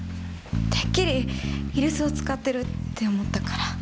てっきり居留守を使ってるって思ったから。